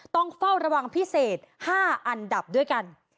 ต้องเฝ้าระวังพิเศษ๕อันดับด้วยกัน